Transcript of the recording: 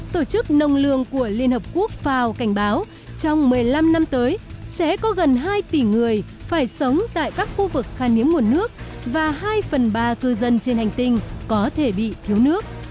tổ chức nông lương của liên hợp quốc fao cảnh báo trong một mươi năm năm tới sẽ có gần hai tỷ người phải sống tại các khu vực khan hiếm nguồn nước và hai phần ba cư dân trên hành tinh có thể bị thiếu nước